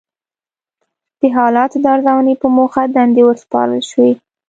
د حالاتو د ارزونې په موخه دندې وسپارل شوې.